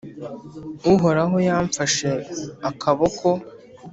Uhoraho yamfashe akaboko,